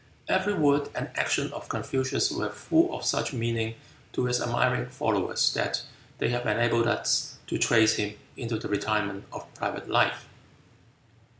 Every word and action of Confucius were full of such meaning to his admiring followers that they have enabled us to trace him into the retirement of private life.